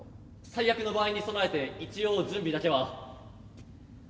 最悪の場合にそなえて一応準備だけは。